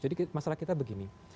jadi masalah kita begini